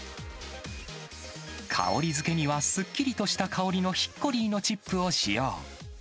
香りづけには、すっきりとした香りのヒッコリーのチップを使用。